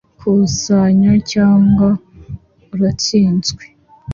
kusanya, cyangwa uratsinzwe